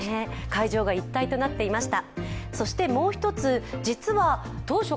会場が一体となっていました。